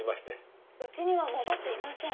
家には戻っていません。